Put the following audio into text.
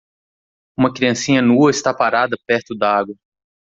Uma criancinha nua está parada perto da água.